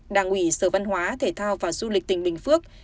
đảng ủy sở văn hóa thể thao và du lịch tỉnh bình phước